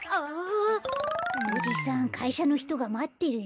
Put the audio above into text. おじさんかいしゃのひとがまってるよ。